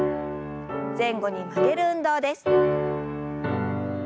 前後に曲げる運動です。